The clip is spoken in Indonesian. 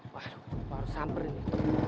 waduh baru samper ini